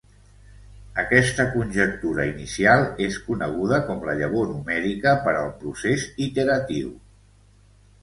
Aquesta conjectura inicial és coneguda com la llavor numèrica per al procés iteratiu.